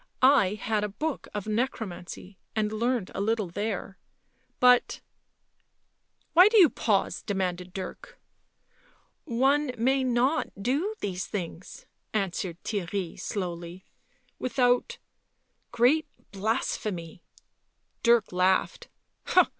I had a book of necromancy and learnt a little there ... but ..."" Why do you pause?" demanded Dirk. " One may not do these things," answered Theirry slowly, " without — great blasphemy " Dirk laughed.